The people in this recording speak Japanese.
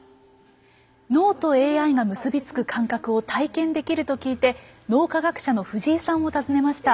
脳とＡＩが結び付く感覚を体験できると聞いて脳科学者の藤井さんを訪ねました。